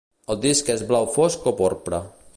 El disc és blau fosc o porpra.